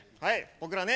僕らね